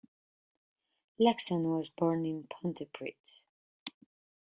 Laxon was born in Pontypridd.